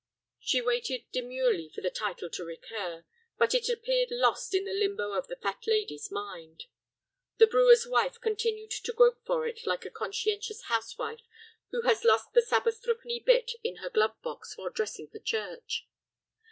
She waited demurely for the title to recur, but it appeared lost in the limbo of the fat lady's mind. The brewer's wife continued to grope for it like a conscientious housewife who has lost the Sabbath threepenny bit in her glove box while dressing for church.